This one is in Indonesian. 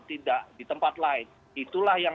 tidak di tempat lain itulah yang